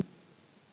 dalam hal ini